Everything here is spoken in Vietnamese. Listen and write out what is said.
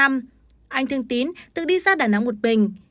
anh thương tín tự đi ra đà nẵng một bình